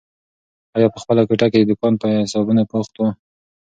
اغا په خپله کوټه کې د دوکان په حسابونو بوخت و.